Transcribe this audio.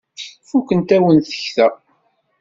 Fukent-awent tekta.